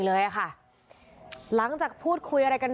เมื่อวานแบงค์อยู่ไหนเมื่อวาน